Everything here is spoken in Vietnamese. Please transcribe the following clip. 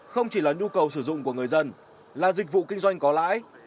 không chỉ là nhu cầu sử dụng của người dân là dịch vụ kinh doanh có lãi